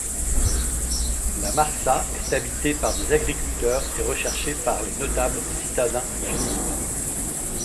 La Marsa est habitée par des agriculteurs et recherchée par les notables citadins tunisois.